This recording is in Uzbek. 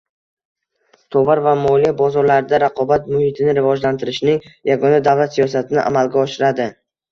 tovar va moliya bozorlarida raqobat muhitini rivojlantirishning yagona davlat siyosatini amalga oshiradi.